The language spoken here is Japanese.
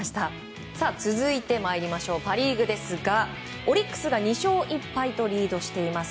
続いてパ・リーグですがオリックスが２勝１敗とリードしています。